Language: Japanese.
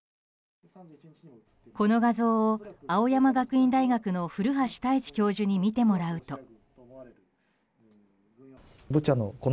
この画像を青山学院大学の古橋大地教授に見てもらうと。